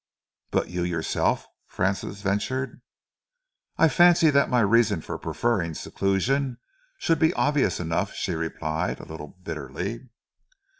"But you yourself?" Francis ventured. "I fancy that my reasons for preferring seclusion should be obvious enough," she replied, a little bitterly.